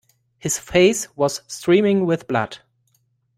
His face was streaming with blood.